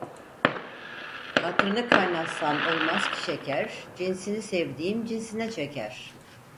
Katranı kaynatsan olmaz ki şeker, cinsini sevdiğim cinsine çeker.